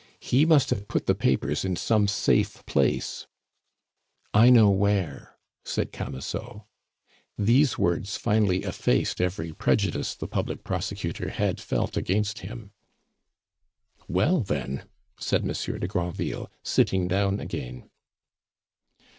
"He must have put the papers in some safe place " "I know where," said Camusot. These words finally effaced every prejudice the public prosecutor had felt against him. "Well, then " said Monsieur de Granville, sitting down again.